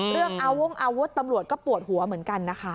เรื่องอาวงอาวุธตำรวจก็ปวดหัวเหมือนกันนะคะ